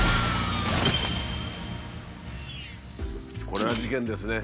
これは事件ですね。